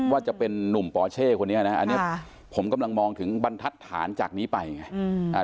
ว่าจะเป็นนุ่มปอเช่คนนี้นะอันนี้ผมกำลังมองถึงบรรทัศน์จากนี้ไปไง